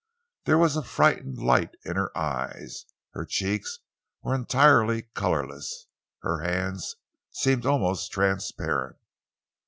There was a frightened light in her eyes, her cheeks were entirely colourless, her hands seemed almost transparent.